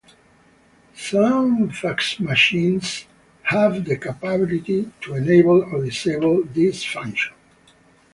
Some fax machines have the capability to enable or disable this function.